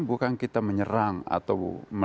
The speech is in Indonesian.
bukan kita menyerang atau